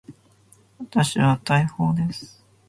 私は大砲です。